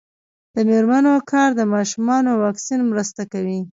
د میرمنو کار د ماشومانو واکسین مرسته کوي.